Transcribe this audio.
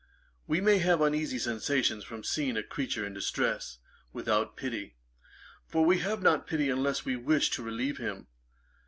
We may have uneasy sensations from seeing a creature in distress, without pity; for we have not pity unless we wish to relieve them.